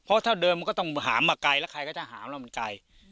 เพราะถ้าเดินมันก็ต้องหามมาไกลแล้วใครก็จะหามแล้วมันไกล